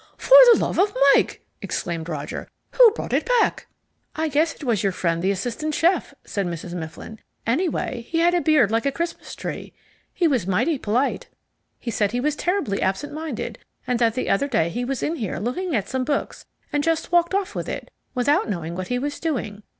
"For the love of Mike!" exclaimed Roger. "Who brought it back?" "I guess it was your friend the assistant chef," said Mrs. Mifflin. "Anyway, he had a beard like a Christmas tree. He was mighty polite. He said he was terribly absent minded, and that the other day he was in here looking at some books and just walked off with it without knowing what he was doing.